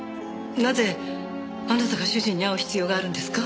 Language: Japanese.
なぜあなたが主人に会う必要があるんですか？